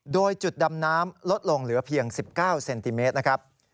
โดยจุดดำน้ำลดลงเหลือเพียง๑๙เซนติเมตรนะครับ